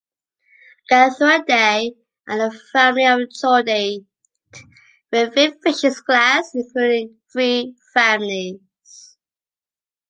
Acanthuridae are the family of chordate ray-finned fishes class, including three families.